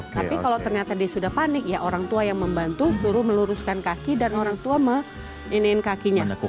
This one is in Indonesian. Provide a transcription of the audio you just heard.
tapi kalau ternyata dia sudah panik ya orang tua yang membantu suruh meluruskan kaki dan orang tua menginiin kakinya